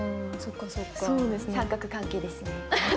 三角関係ですね。